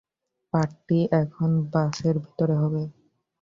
Party এখন বাসের ভিতরে হবে।